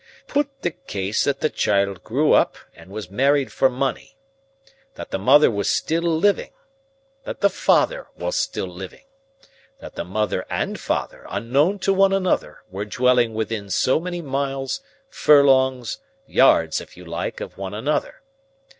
"Put the case that the child grew up, and was married for money. That the mother was still living. That the father was still living. That the mother and father, unknown to one another, were dwelling within so many miles, furlongs, yards if you like, of one another.